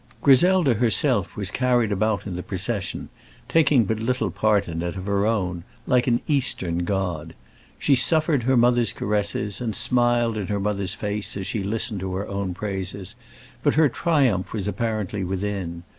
Griselda herself was carried about in the procession, taking but little part in it of her own, like an Eastern god. She suffered her mother's caresses and smiled in her mother's face as she listened to her own praises, but her triumph was apparently within.